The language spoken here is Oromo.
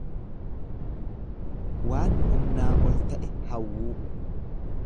Waan humnaa ol ta'e hawwuu.